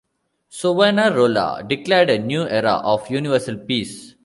Savonarola declared a new era of universal peace.